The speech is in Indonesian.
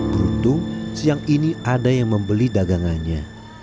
beruntung siang ini ada yang membeli dagangannya